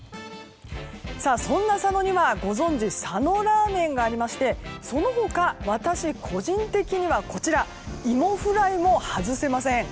そんな佐野には、ご存じ佐野らーめんがありましてその他、私個人的にはいもフライも外せません。